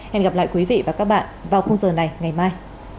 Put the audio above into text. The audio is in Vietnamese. hẹn gặp lại quý vị và các bạn vào khung giờ này ngày mai